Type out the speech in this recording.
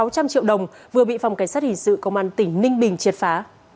sáu trăm linh triệu đồng vừa bị phòng cảnh sát hình sự công an tỉnh ninh bình triệt phá